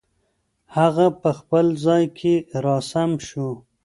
هغه په خپل ځای کې را سم شو.